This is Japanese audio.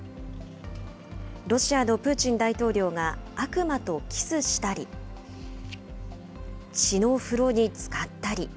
ロシアのプーチン大統領が悪魔とキスしたり、血の風呂につかったり。